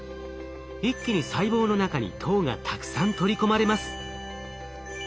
一気に細胞の中に糖がたくさん取り込まれます。